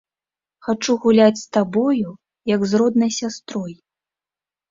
Хачу гуляць з табою, як з роднай сястрой.